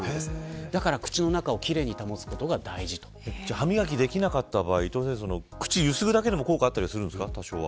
歯磨きできなかった場合は口をゆすぐだけでも効果はあるんですか。